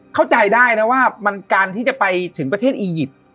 เข้าใจได้นะว่ามันการที่จะไปถึงประเทศอียิปต์